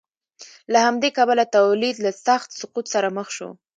له همدې کبله تولید له سخت سقوط سره مخ شو